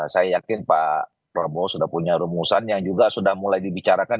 saya yakin pak prabowo sudah punya rumusan yang juga sudah mulai dibicarakan